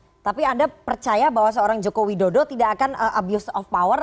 oke tapi anda percaya bahwa seorang joko widodo tidak akan abuse of power